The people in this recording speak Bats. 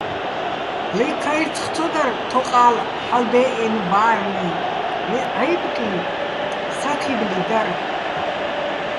ლე ქაჲრცხი̆ ცო დარ თოყა́ლ ჰ̦ალო̆ დე́ჸენო̆ ბა́რლეჼ, ლე ჺა́ჲბკი, საქიბლი დარ.